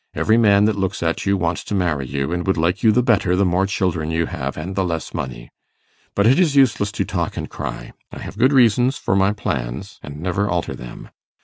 Every man that looks at you wants to marry you, and would like you the better the more children you have and the less money. But it is useless to talk and cry. I have good reasons for my plans, and never alter them.